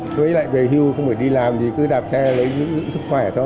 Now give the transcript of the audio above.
với lại về hưu không phải đi làm gì cứ đạp xe lấy giữ sức khỏe thôi